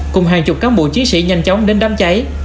cùng hàng chục cán bộ chiến sĩ nhanh chóng đến đám cháy